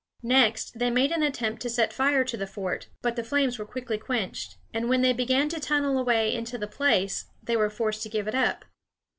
Next they made an attempt to set fire to the fort, but the flames were quickly quenched; and when they began to tunnel a way into the place, they were forced to give it up.